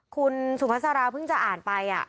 คุณสุภาษาลาวิทยาลัยพึ่งจะอ่านไป